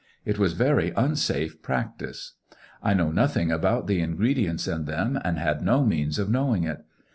It was very unsafe practice. I know nothing about the ingredients in them, and had no means of knowing it.